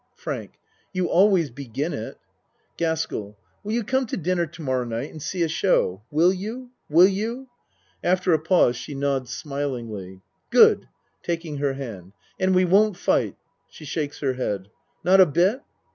FRANK You always begin it. GASKELL Will you come to dinner to morrow night and see a show? Will you will you? (Af ter a pause she nods smilingly.) Good. (Taking her hand.) And we won't fight? (She shakes her head.) Not a bit?